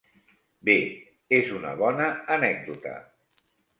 Bé, és una bona anècdota.